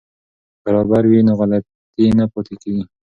که رابر وي نو غلطي نه پاتې کیږي.